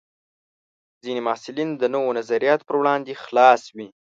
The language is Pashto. ځینې محصلین د نوو نظریاتو پر وړاندې خلاص وي.